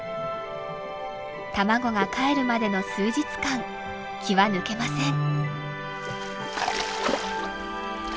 卵がかえるまでの数日間気は抜けません。